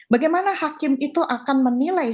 bagaimana hakim itu akan menilai